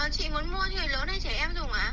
chị muốn mua thì người lớn hay trẻ em dùng ả